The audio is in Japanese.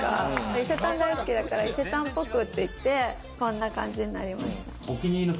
伊勢丹大好きだから伊勢丹ぽくって言って、こんな感じになりました。